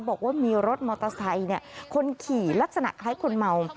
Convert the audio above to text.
บอกว่ามีรถมอเตอร์ไซค์คนขี่ลักษณะคล้ายคนเมา